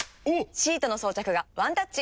シートの装着がワンタッチ！